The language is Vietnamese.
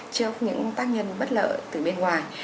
trước những tác nhân bất lợi từ bên ngoài